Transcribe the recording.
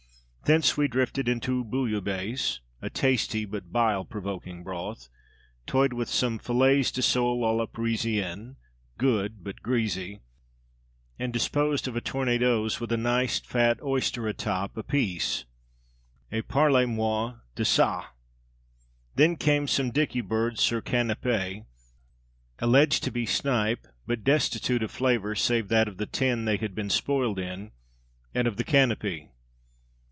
Thence, we drifted into Bouillabaisse (a tasty but bile provoking broth), toyed with some filets de sôle à la Parisienne (good but greasy), and disposed of a tournedos, with a nice fat oyster atop, apiece (et parlez moi d'ça!). Then came some dickey birds sur canapé alleged to be snipe, but destitute of flavour, save that of the tin they had been spoiled in, and of the "canopy."